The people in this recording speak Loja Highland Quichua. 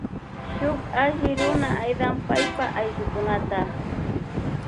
Shuk alli runa aida paipa ayllukunata.